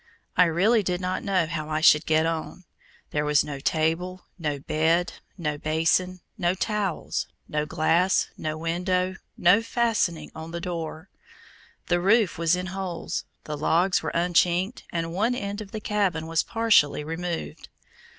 I really did not know how I should get on. There was no table, no bed, no basin, no towel, no glass, no window, no fastening on the door. The roof was in holes, the logs were unchinked, and one end of the cabin was partially removed!